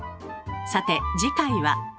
さて次回は。